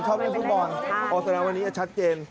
ชอบเล่นฟุตบอลอสนวนิย์ชัดเจน